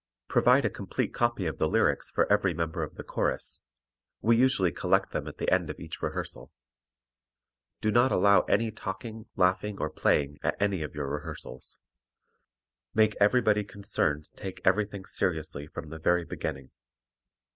Provide a complete copy of the lyrics for every member of the chorus; we usually collect them at the end of each rehearsal. Do not allow any talking, laughing or playing at any of your rehearsals; make everybody concerned take everything seriously from the very beginning.